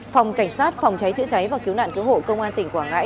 phòng cảnh sát phòng cháy chữa cháy và cứu nạn cứu hộ công an tỉnh quảng ngãi